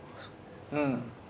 うん。